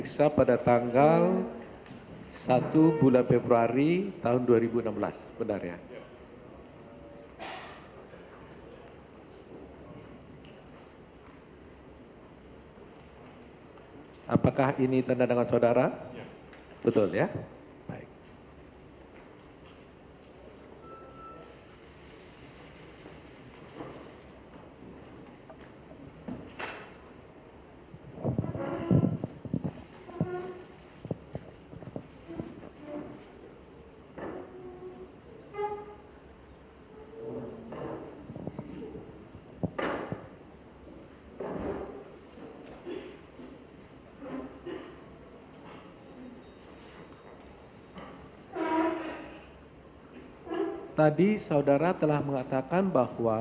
saya tidak tahu